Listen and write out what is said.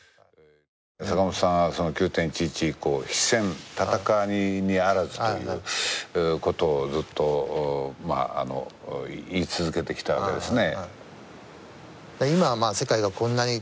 坂本さんは９・１１以降、非戦、戦いにあらずとずっと言い続けてきたわけですね。